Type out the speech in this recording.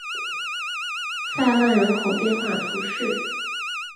塞勒人口变化图示